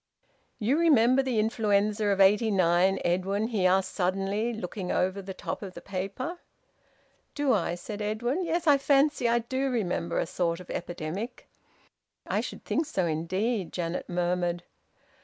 "You remember the influenza of '89, Edwin?" he asked suddenly, looking over the top of the paper. "Do I?" said Edwin. "Yes, I fancy I do remember a sort of epidemic." "I should think so indeed!" Janet murmured.